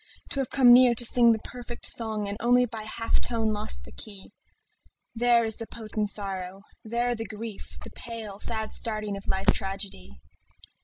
To have come near to sing the perfect song And only by a half tone lost the key, There is the potent sorrow, there the grief, The pale, sad staring of life's tragedy.